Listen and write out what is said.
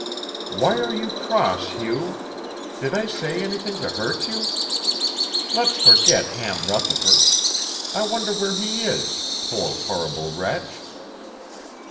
"Why are you cross, Hugh? Did I say anything to hurt you? Let's forget Ham Rutherford. I wonder where he is, poor, horrible wretch!"